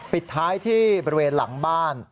ปิดท้ายที่บริเวณหลังบ้าน